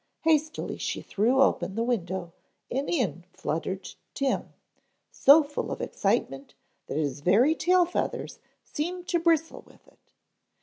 Hastily she threw open the window and in fluttered Tim, so full of excitement that his very tail feathers seemed to bristle with it.